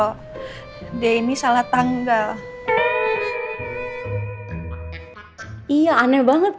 kenapa kalian kabur